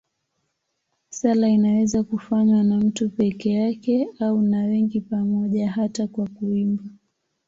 Sala inaweza kufanywa na mtu peke yake au na wengi pamoja, hata kwa kuimba.